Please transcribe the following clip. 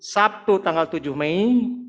sabtu tanggal tujuh mei